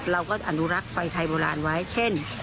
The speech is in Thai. เราก็อนุรักษ์ไฟไทยโบราณไว้เช่น